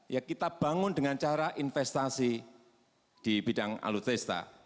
ya kita bangun dengan cara investasi di bidang alutesta